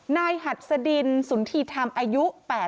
หัดสดินสุนธีธรรมอายุ๘๐